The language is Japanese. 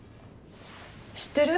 知ってる？